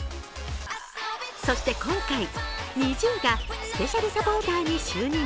そして今回、ＮｉｚｉＵがスペシャルサポーターに就任。